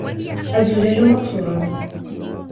الزَّجَّاجُ مَكْسُورٌ.